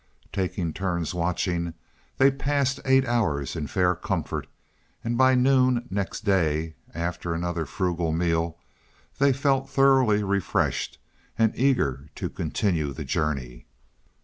Taking turns watching, they passed eight hours in fair comfort, and by noon next day, after another frugal meal they felt thoroughly refreshed and eager to continue the journey.